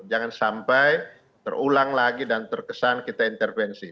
jangan sampai terulang lagi dan terkesan kita intervensi